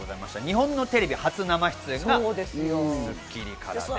日本のテレビ初生出演がこの『スッキリ』からです。